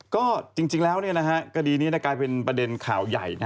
ก็จริงแล้วคดีนี้กลายเป็นประเด็นข่าวใหญ่